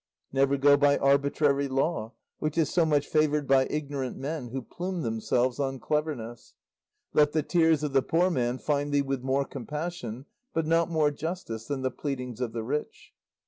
"Never go by arbitrary law, which is so much favoured by ignorant men who plume themselves on cleverness. "Let the tears of the poor man find with thee more compassion, but not more justice, than the pleadings of the rich.